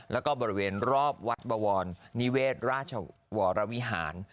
แล้วก็บริเวณรอบวัดบวรนิเวศราชวรวิหาร